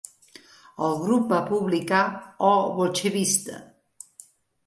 El grup va publicar "O Bolchevista".